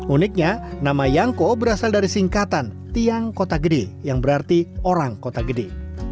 uniknya nama yangko berasal dari singkatan tiang kota gede yang berarti orang kota gede